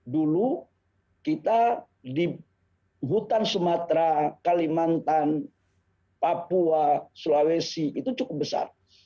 dulu kita di hutan sumatera kalimantan papua sulawesi itu cukup besar